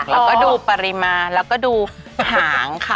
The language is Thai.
แล้วก็ดูปริมาณแล้วก็ดูหางค่ะ